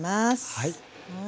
はい。